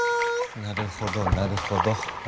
なるほどなるほど。